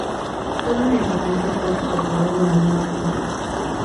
Sólo en la impotencia actúa el superpoder del Amor Absoluto.